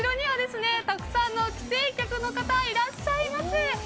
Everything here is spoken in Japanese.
後ろにはたくさんの帰省客の方がいらっしゃっています。